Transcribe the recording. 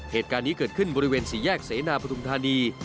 เหตุการณ์นี้เกิดขึ้นบริเวณสี่แยกเสนาปฐุมธานี